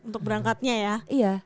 untuk berangkatnya ya iya